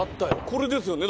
これですよね？